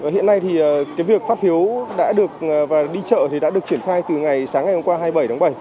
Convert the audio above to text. hiện nay thì cái việc phát phiếu đã được đi chợ thì đã được triển khai từ ngày sáng ngày hôm qua hai mươi bảy tháng bảy